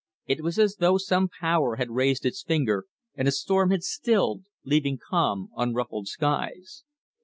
It was as though some power had raised its finger and a storm had stilled, leaving calm, unruffled skies.